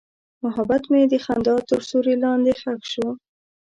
محبت مې د خندا تر سیوري لاندې ښخ شو.